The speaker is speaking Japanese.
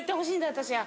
私は。